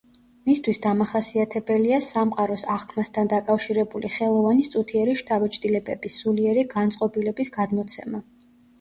მისთვის დამახასიათებელია სამყაროს აღქმასთან დაკავშირებული ხელოვანის წუთიერი შთაბეჭდილებების, სულიერი განწყობილების გადმოცემა.